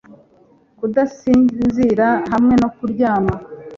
kudasinzira hamwe no kuryama